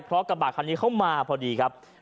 เพราะกระบาดคันนี้เข้ามาพอดีครับ